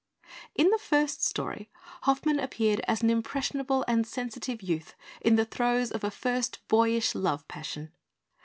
In the first story, Hoffmann appeared as an impressionable and sensitive youth in the throes of a first boyish love passion.